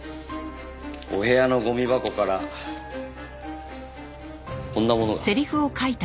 お部屋のゴミ箱からこんなものが。